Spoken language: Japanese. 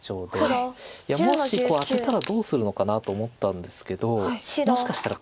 いやもしアテたらどうするのかなと思ったんですけどもしかしたら。